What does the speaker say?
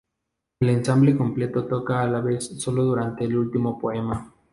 El ensamble completo toca a la vez sólo durante el último poema.